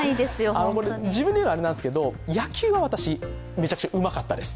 自分でいうのはあれなんですが野球は私、めちゃめちゃうまかったです。